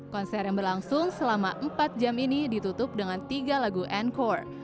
konser yang berlangsung selama empat jam ini ditutup dengan tiga lagu and core